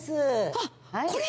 あっ、これ？